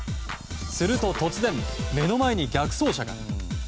すると突然、目の前に逆走車が。